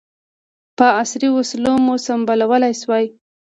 په عصري وسلو مو سمبالولای سوای.